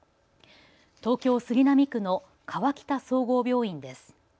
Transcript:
東京杉並区の河北総合病院です。